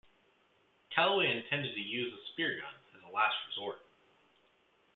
Calloway intended to use the speargun as a last resort.